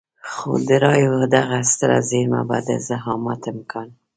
خو د رايو دغه ستره زېرمه به د زعامت امکان.